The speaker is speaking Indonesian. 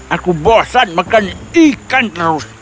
aku bosan makan ikan terus